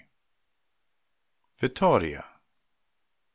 VITTORIA.